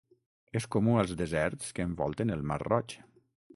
És comú als deserts que envolten el mar Roig.